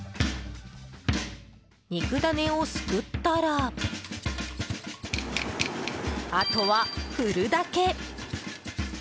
肉ダネをすくったらあとは振るだけ！